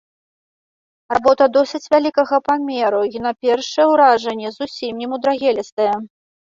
Работа досыць вялікага памеру і на першае ўражанне зусім немудрагелістая.